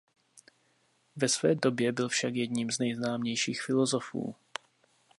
Ve své době byl však jedním z nejznámějších filosofů.